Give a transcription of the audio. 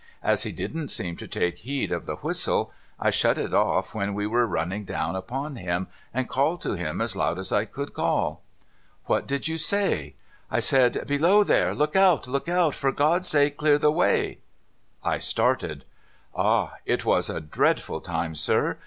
As he didn't seem to take heed of the whistle, I shut it off when we were running down upon him, and called to him as loud as I could call.' * ^Vhat did you say ?'' I said, " Below there ! Look out ! Look out ! For God's sake, clear the way !"' I started. ' Ah ! it was a dreadful time, sir.